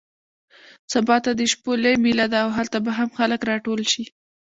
سبا ته د شپولې مېله ده او هلته به هم خلک راټول شي.